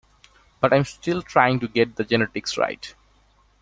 But I'm still trying to get the genetics right.